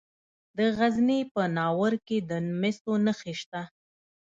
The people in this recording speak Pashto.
د غزني په ناور کې د مسو نښې شته.